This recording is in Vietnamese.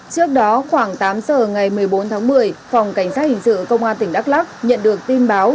trước đó khoảng tám giờ ngày một mươi bốn tháng một mươi phòng cảnh sát hình sự công an tỉnh đắk lắc nhận được tin báo